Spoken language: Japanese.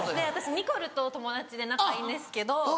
私ニコルと友達で仲いいんですけど